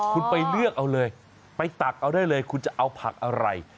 คุณไปเลือกเอาเลยไปตักเอาได้เลยคุณจะเอาผักอะไร